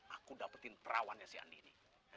aku dapetin perawannya si andi ini